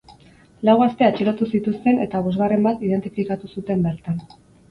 Lau gazte atxilotu zituzten eta bosgarren bat identifikatu zuten bertan.